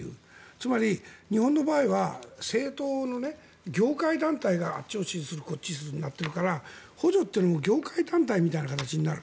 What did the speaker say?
つまり、日本の場合は政党の業界団体があっちを支持するこっちを支持するってやってるから補助というのも業界団体みたいな形になる。